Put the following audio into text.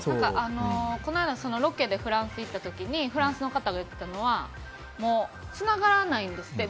この間ロケでフランス行った時にフランスの方が言っていたのはつながらないんですって。